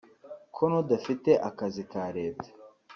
ko n’udafite akazi ka Leta